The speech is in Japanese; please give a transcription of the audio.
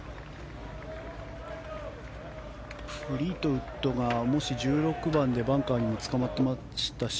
フリートウッドがもし１６番でバンカーにつかまりましたし。